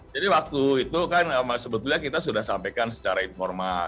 jadi waktu itu kan sebetulnya kita sudah sampaikan secara informal